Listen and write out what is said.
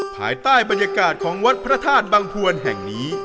ภายใต้บรรยากาศของวัดพระธาตุบังพวนแห่งนี้